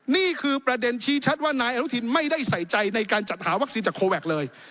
นี่คือประเด็นชี้ชัดว่านายอนุทินไม่ได้ใส่ใจในการจัดหาวัคซีนจากโคแวคเลย